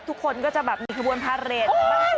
ทุกคนมีขบวนพาดเรน